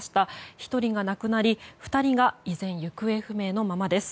１人が亡くなり２人が依然、行方不明のままです。